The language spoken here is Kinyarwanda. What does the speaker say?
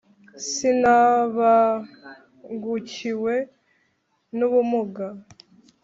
sinabangukiwe n’umubuga.